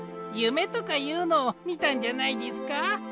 ゆめとかいうのをみたんじゃないですか？